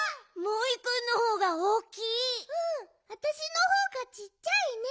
うんあたしのほうがちっちゃいね！